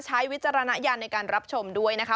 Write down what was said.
วิจารณญาณในการรับชมด้วยนะคะ